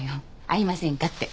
会いませんかって。